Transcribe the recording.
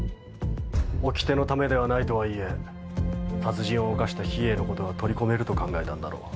おきてのためではないとはいえ殺人を犯した秘影のことは取り込めると考えたんだろう。